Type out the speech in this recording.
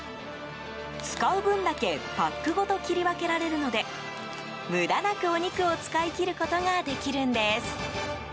使う分だけパックごと切り分けられるので無駄なく、お肉を使い切ることができるんです。